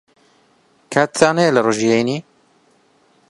کاتتان ھەیە لە ڕۆژی ھەینی؟